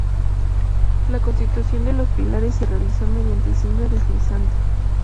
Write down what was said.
La construcción de los pilares se realizó mediante cimbra deslizante.